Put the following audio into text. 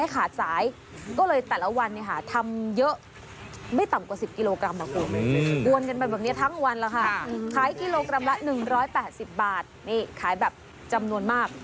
ขายแบบจำนวนมาก